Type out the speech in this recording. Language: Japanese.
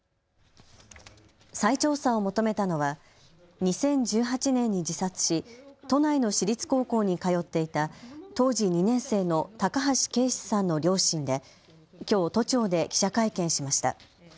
再調査を求めたのは２０１８年に自殺し都内の私立高校に通っていた当時２年生の高橋勁至さんの両親できょう都庁で記者会見しました。